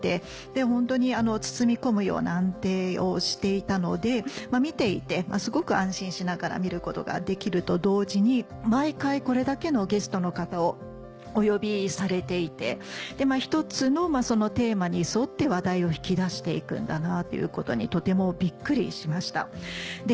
ホントに包み込むような安定をしていたので見ていてすごく安心しながら見ることができると同時に毎回これだけのゲストの方をお呼びされていて１つのテーマに沿って話題を引き出していくんだなということにとてもビックリしました。